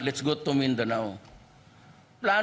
ini sudah dilancarkan